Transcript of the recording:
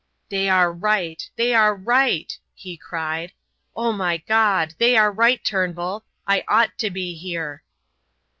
"They are right, they are right!" he cried. "O my God! they are right, Turnbull. I ought to be here!"